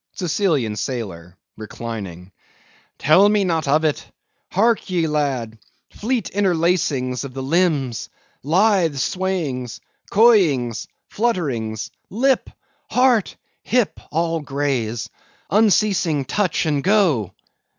SICILIAN SAILOR. (Reclining.) Tell me not of it! Hark ye, lad—fleet interlacings of the limbs—lithe swayings—coyings—flutterings! lip! heart! hip! all graze: unceasing touch and go!